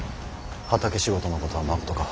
畑仕事のことはまことか。